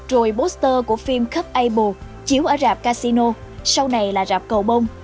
rồi poster của phim cupable chiếu ở rạp casino sau này là rạp cầu bông